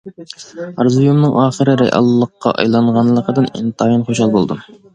ئارزۇيۇمنىڭ ئاخىرى رېئاللىققا ئايلانغانلىقىدىن ئىنتايىن خۇشال بولدۇم.